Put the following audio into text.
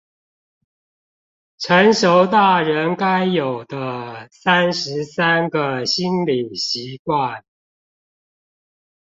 成熟大人該有的三十三個心理習慣